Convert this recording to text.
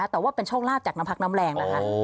แต่ว่าเป็นโชคลาภจากน้ำพักน้ำแรงนะคะ